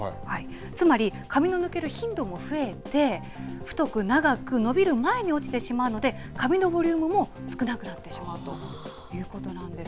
つまり、髪の抜ける頻度も増えて、太く長く伸びる前に落ちてしまうので、髪のボリュームも少なくなってしまうということなんです。